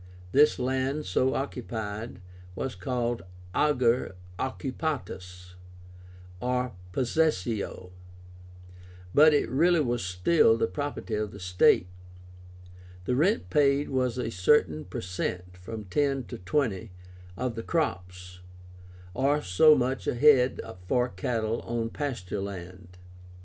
This land, so occupied, was called AGER OCCUPÁTUS, or possessio; but it really was still the property of the state. The rent paid was a certain per cent (from 10 to 20) of the crops, or so much a head for cattle on pasture land.